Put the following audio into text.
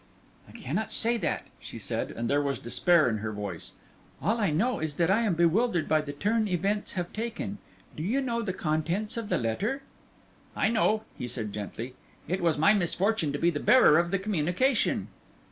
"I cannot say that," she said, and there was despair in her voice; "all I know is that I am bewildered by the turn events have taken. Do you know the contents of the letter?" "I know," he said, gently; "it was my misfortune to be the bearer of the communication."